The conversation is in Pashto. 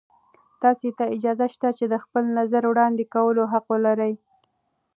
تاسې ته اجازه شته چې د خپل نظر وړاندې کولو حق ولرئ.